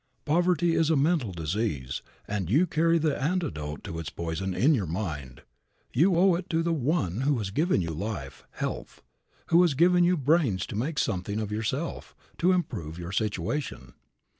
Poverty is a mental disease, and you carry the antidote to its poison in your mind. You owe it to the One who has given you life, health, who has given you brains to make something of yourself, to improve your situation.